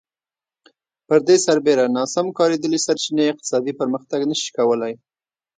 پر دې سربېره ناسم کارېدلې سرچینې اقتصادي پرمختګ نه شي کولای